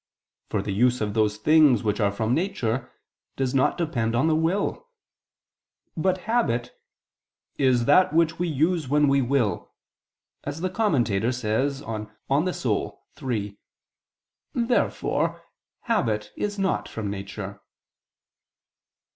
For the use of those things which are from nature does not depend on the will. But habit "is that which we use when we will," as the Commentator says on De Anima iii. Therefore habit is not from nature.